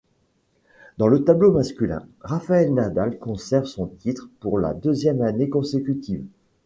Dans le tableau masculin, Rafael Nadal conserve son titre pour la deuxième année consécutive.